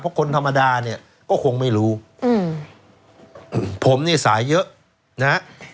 เพราะคนธรรมดาเนี่ยก็คงไม่รู้อืมผมเนี่ยสายเยอะนะฮะ